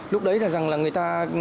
lúc đấy là người ta